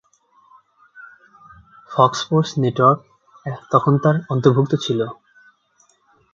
Fox Sports network তখন এর অন্তর্ভুক্ত ছিল।